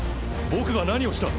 僕が何をした？